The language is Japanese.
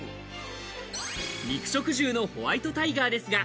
肉食獣のホワイトタイガーですが、